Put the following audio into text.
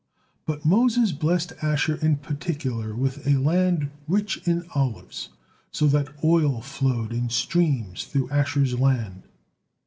But Moses blessed Asher in particular with a land rich in olives, so that oil flowed in streams through Asher's land.